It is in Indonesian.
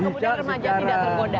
kemudian remaja tidak tergoda